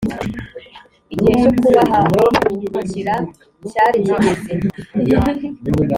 igihe cyo kubahagurukira cyari kigeze